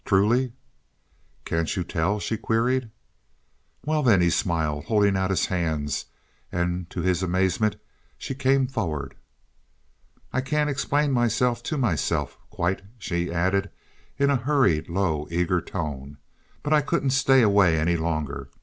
Truly?" "Can't you tell?" she queried. "Well, then," he smiled, holding out his hands; and, to his amazement, she came forward. "I can't explain myself to myself quite," she added, in a hurried low, eager tone, "but I couldn't stay away any longer.